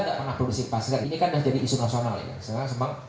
kita tidak pernah produksi masker ini kan sudah jadi isu nasional